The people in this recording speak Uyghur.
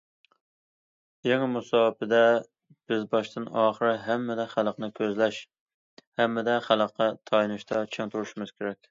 يېڭى مۇساپىدە، بىز باشتىن- ئاخىر ھەممىدە خەلقنى كۆزلەش، ھەممىدە خەلققە تايىنىشتا چىڭ تۇرۇشىمىز كېرەك.